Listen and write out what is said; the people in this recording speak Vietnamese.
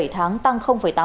bảy tháng tăng tám mươi chín